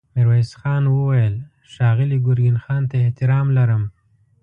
ميرويس خان وويل: ښاغلي ګرګين خان ته احترام لرم.